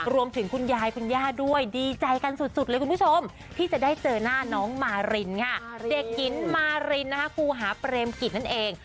คุณยายคุณย่าด้วยดีใจกันสุดเลยคุณผู้ชมที่จะได้เจอหน้าน้องมารินค่ะเด็กหญิงมารินนะคะครูหาเปรมกิจนั่นเอง